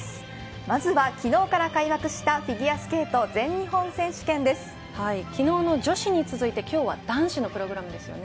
まずは昨日から開幕したフィギュアスケート昨日の女子に続いて、今日は男子のプログラムですよね。